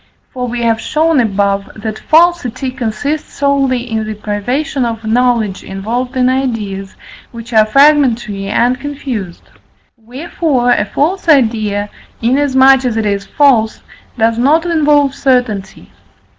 For we have shown above, that falsity consists solely in the privation of knowledge involved in ideas which are fragmentary and confused. Wherefore, a false idea, inasmuch as it is false, does not involve certainty.